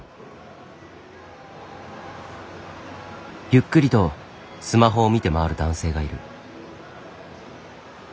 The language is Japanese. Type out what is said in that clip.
ゆっくりとスマホを見て回る男性がいる。